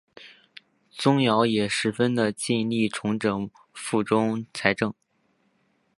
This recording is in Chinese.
宗尧也十分的尽力重整藩中财政。